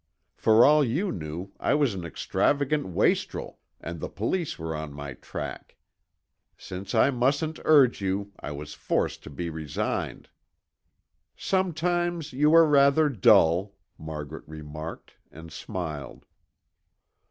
For all you knew, I was an extravagant wastrel, and the police were on my track. Since I mustn't urge you, I was forced to be resigned." "Sometimes you are rather dull," Margaret remarked and smiled.